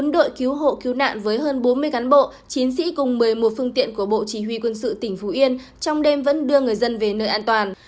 bốn đội cứu hộ cứu nạn với hơn bốn mươi cán bộ chiến sĩ cùng một mươi một phương tiện của bộ chỉ huy quân sự tỉnh phú yên trong đêm vẫn đưa người dân về nơi an toàn